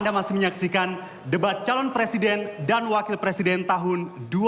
anda masih menyaksikan debat calon presiden dan wakil presiden tahun dua ribu sembilan belas